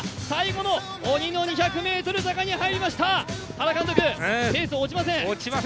最後の鬼の２００ｍ坂に入りました原監督、ペース落ちません。